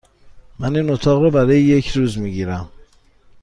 من این اتاق را برای یک روز می گیرم.